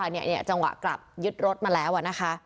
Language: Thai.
วัยรุ่นจังหวะกลับยึดรถมาแล้ว